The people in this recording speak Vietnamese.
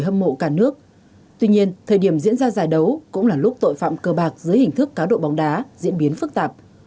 tuy nhiên thời điểm diễn ra giải đấu cũng là lúc tội phạm cơ bạc dưới hình thức cá độ bóng đá diễn biến phức tạp